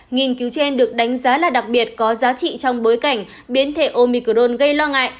nghiên cứu trên được đánh giá là đặc biệt có giá trị trong bối cảnh biến thể omicron gây lo ngại